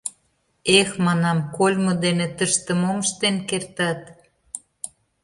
— Эх, — манам, — кольмо дене тыште мом ыштен кертат?